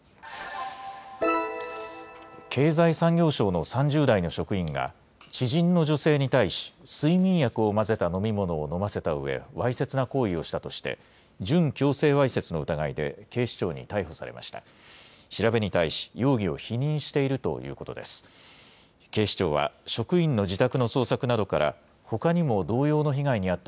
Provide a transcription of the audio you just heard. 経済産業省の３０代の職員が、知人の女性に対し、睡眠薬を混ぜた飲み物を飲ませたうえ、わいせつな行為をしたとして、準強制わいせつの疑いで警視庁に逮捕されました。